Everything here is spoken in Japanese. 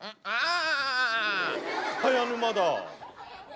ああ？